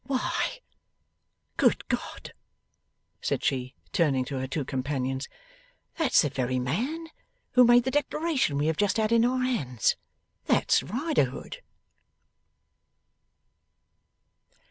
'Why, good God!' said she, turning to her two companions, 'that's the very man who made the declaration we have just had in our hands. That's Riderhood!